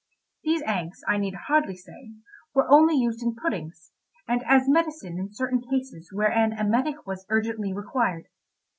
These eggs, I need hardly say, were only used in puddings, and as a medicine in certain cases where an emetic was urgently required.